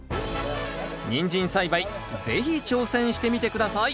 ニンジン栽培是非挑戦してみて下さい。